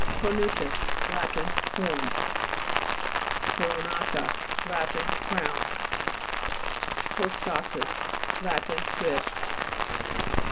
CORNU'TUS Lat. Horned. CORONA'TA Lat. Crowned. COSTA'TUS Lat. Ribbed.